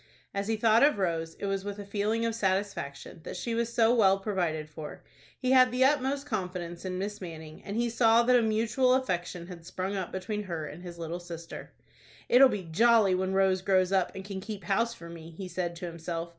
As he thought of Rose, it was with a feeling of satisfaction that she was so well provided for. He had the utmost confidence in Miss Manning, and he saw that a mutual affection had sprung up between her and his little sister. "It'll be jolly when Rose grows up, and can keep house for me," he said to himself.